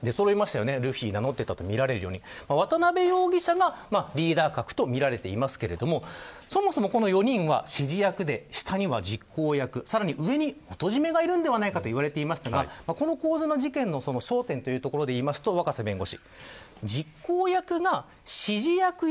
渡辺容疑者がリーダー格とみられていますがそもそもこの４人は指示役で下には実行役さらに上には元締めがいるのではないかといわれていましたがこの事件の争点というところでいいますと若狭弁護士。